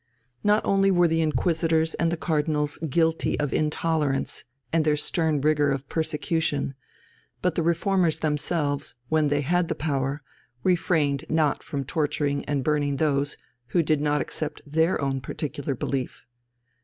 Not only were the Inquisitors and the Cardinals guilty of intolerance and the stern rigour of persecution, but the Reformers themselves, when they had the power, refrained not from torturing and burning those who did not accept their own particular belief.